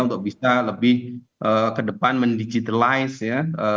untuk bisa lebih ke depan mendigitalisasi